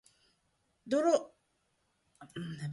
泥臭く、ポジティブに